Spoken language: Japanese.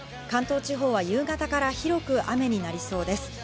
関東地方は夕方から広く雨になりそうです。